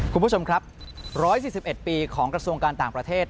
คุณผู้ชมครับ๑๔๑ปีของกระทรวงการต่างประเทศ